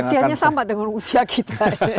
usianya sama dengan usia kita